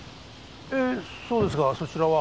ええそうですがそちらは？